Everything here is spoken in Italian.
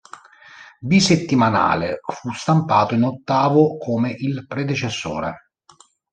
Bisettimanale, fu stampato in ottavo come il predecessore.